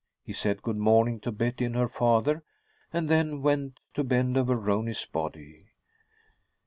He said good morning to Betty and her father, and then went to bend over Rooney's body.